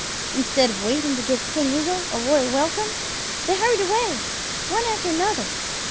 Instead of waiting to give King Eagle a royal welcome, they hurried away, one after another.